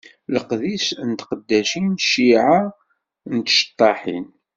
Leqdic n tqeddacin cciεa n tceṭṭaḥin.